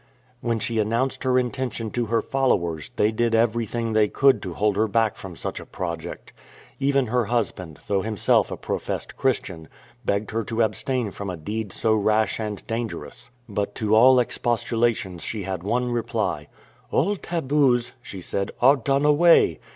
When she announced her intention to her followers, they did everything they could to hold her back from such a project. Even her husband, though himself a professed Christian, begged her to abstain from a deed so rash and dangerous. But to all expostulations she had one reply. " All tabus,'" she said, " are done away.